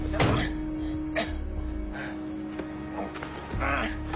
ああ。